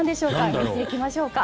見ていきましょうか。